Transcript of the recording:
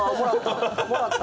もらった。